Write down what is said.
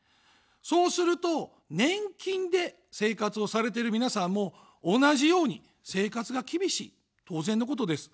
そうすると、年金で生活をされている皆さんも同じように生活が厳しい、当然のことです。